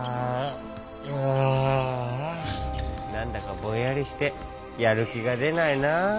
なんだかぼんやりしてやるきがでないな。